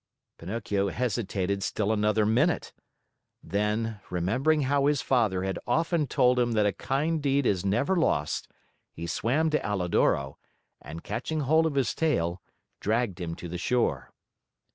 Pinocchio hesitated still another minute. Then, remembering how his father had often told him that a kind deed is never lost, he swam to Alidoro and, catching hold of his tail, dragged him to the shore.